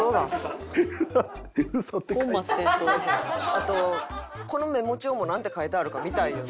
あとこのメモ帳もなんて書いてあるか見たいよな。